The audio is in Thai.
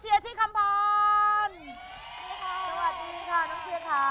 สวัสดีค่ะน้องเชียร์คะ